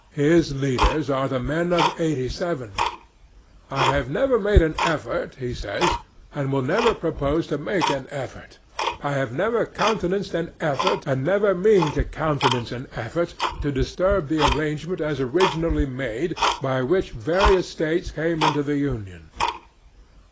His leaders are the men of '87. "I have never made an effort," he says, "and never propose to make an effort; I have never countenanced an effort, and never mean to countenance an effort, to disturb the arrangement as originally made, by which the various States came into the Union."